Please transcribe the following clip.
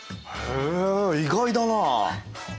へえ意外だな。